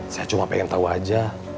saya cuma pengen tahu aja